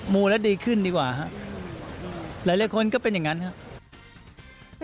ูแล้วดีขึ้นดีกว่าครับหลายคนก็เป็นอย่างนั้นครับ